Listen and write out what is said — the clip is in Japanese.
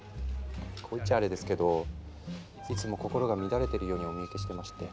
こう言っちゃアレですけどいつも心が乱れているようにお見受けしてまして。